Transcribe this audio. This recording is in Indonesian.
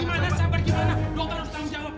dok kenapa dia kan cuma luka ringan